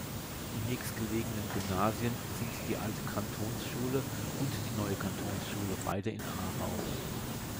Die nächstgelegenen Gymnasien sind die Alte Kantonsschule und die Neue Kantonsschule, beide in Aarau.